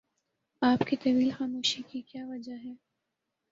آپ کی طویل خاموشی کی کیا وجہ ہے؟